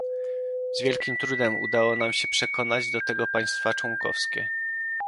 Z wielkim trudem udało nam się przekonać do tego państwa członkowskie